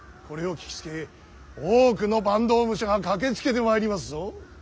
これを聞きつけ多くの坂東武者が駆けつけてまいりますぞ。